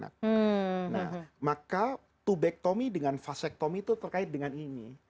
nah maka tubectomy dengan vasectomy itu terkait dengan ini